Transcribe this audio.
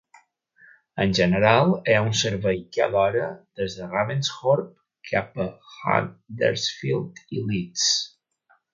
En general hi ha un servei cada hora des de Ravensthorpe cap a Huddersfield i Leeds.